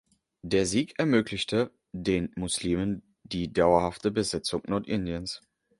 Der Sieg ermöglichte den Muslimen die dauerhafte Besetzung Nordindiens.